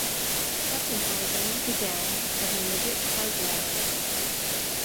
Bettenhausen began as a midget car driver.